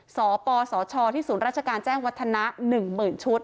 สปสชที่ศูนย์ราชการแจ้งวัฒนะ๑๐๐๐ชุด